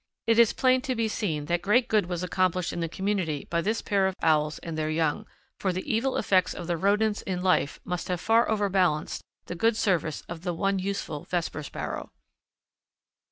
It is plain to be seen that great good was accomplished in the community by this pair of Owls and their young, for the evil effects of the rodents in life must have far overbalanced the good service of the one useful Vesper Sparrow.